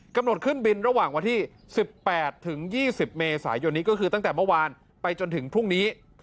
กำหนดขึ้นบินระหว่างวันที่๑๘ถึง๒๐เมษายนนี้ก็คือตั้งแต่เมื่อวานไปจนถึงพรุ่งนี้